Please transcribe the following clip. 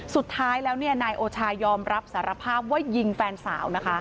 สุดท้ายแล้วนายโอชายอมรับสารภาพว่ายิงแฟนสาวนะคะ